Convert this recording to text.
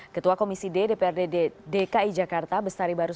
ketua komisi ddprd dki jakarta bestari barus